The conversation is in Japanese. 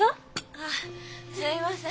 あっすみません。